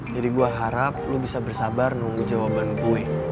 jadi gue harap lo bisa bersabar nunggu jawaban gue